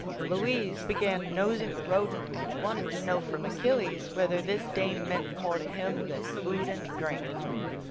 I OUISE began nosing a rodent and wanted to know from Achilles whether this dame meant more to him than food and drink.